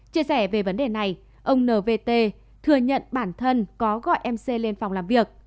chia sẻ về vấn đề này ông nvt thừa nhận bản thân có gọi mc lên phòng làm việc